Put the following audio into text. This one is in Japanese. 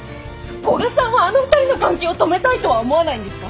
古賀さんはあの２人の関係を止めたいとは思わないんですか？